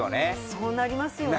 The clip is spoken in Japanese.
そうなりますよね。